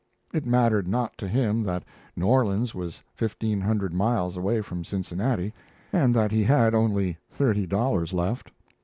It mattered not to him that New Orleans was fifteen hundred miles away from Cincinnati, and that he had only thirty dollars left.